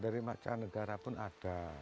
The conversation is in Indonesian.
dari macam negara pun ada